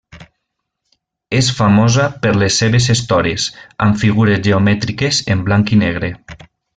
És famosa per les seves estores, amb figures geomètriques en blanc i negre.